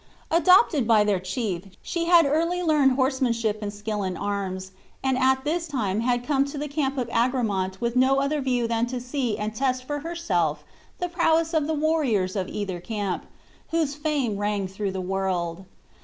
Adopted by their chief, she had early learned horsemanship and skill in arms, and at this time had come to the camp of Agramant with no other view than to see and test for herself the prowess of the warriors of either camp, whose fame rang through the world.